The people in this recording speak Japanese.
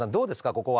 ここは。